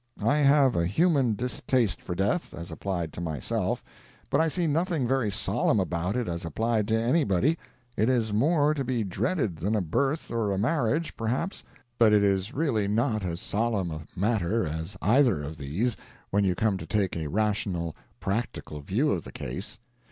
I have a human distaste for death, as applied to myself, but I see nothing very solemn about it as applied to anybody—it is more to be dreaded than a birth or a marriage, perhaps, but it is really not as solemn a matter as either of these, when you come to take a rational, practical view of the case.